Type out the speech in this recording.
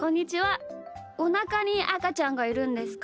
おなかにあかちゃんがいるんですか？